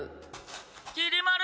きり丸！